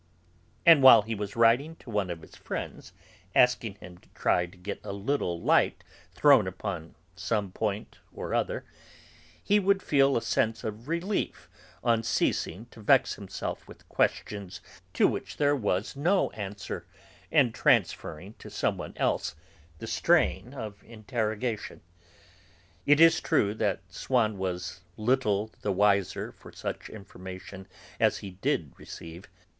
And while he was writing to one of his friends, asking him to try to get a little light thrown upon some point or other, he would feel a sense of relief on ceasing to vex himself with questions to which there was no answer and transferring to some one else the strain of interrogation. It is true that Swann was little the wiser for such information as he did receive.